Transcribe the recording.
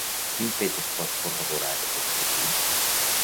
Quin fet es pot corroborar de Ponsatí?